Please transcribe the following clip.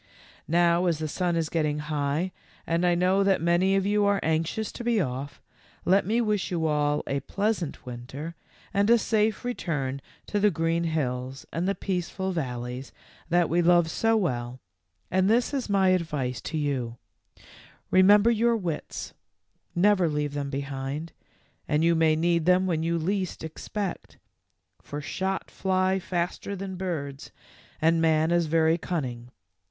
" Now as the sun is o ettins: hi^h and I know that many of you are anxious to be off, let me wish you all a pleasant winter, and a safe return to the green hills and the peaceful valleys that we love so well, and this is my advice to you : THE LAST MEETING. 153 Remember your wits, never leave them behind, for you may need them when you least expect, for shot fly faster than birds, and man is very cunning.